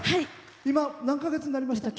今何か月になりました？